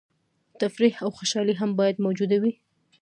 تفریح او خوشحالي هم باید موجوده وي.